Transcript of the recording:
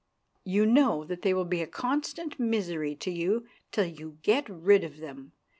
You know that they will be a constant misery to you till you get rid of them.